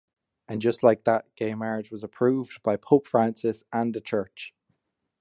And just like that, gay marriage was approved by Pope Francis and the Church.